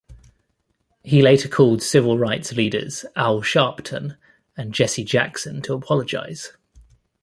He later called civil rights leaders Al Sharpton and Jesse Jackson to apologize.